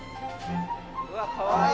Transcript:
うわかわいい。